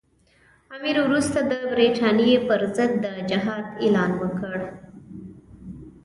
امیر وروسته د برټانیې پر ضد د جهاد اعلان وکړ.